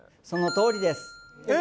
そのとおりです